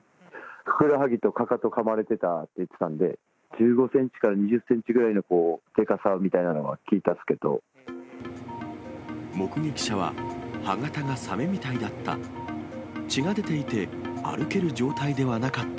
ふくらはぎとかかと、かまれてたって言ってたんで、１５センチから２０センチぐらいのでかさというのは聞いたんです目撃者は歯形がサメみたいだった。